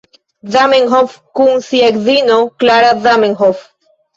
Zamenhof kun sia edzino, Klara Zamenhof.